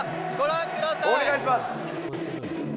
お願いします。